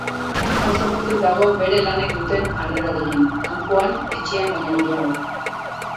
Oso pozik dago bere lanek duten harrerarekin, kanpoan etxean baina gehiago.